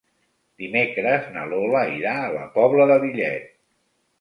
Dimecres na Lola irà a la Pobla de Lillet.